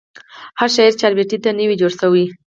هر شاعر چاربیتې ته نه وي جوړسوی.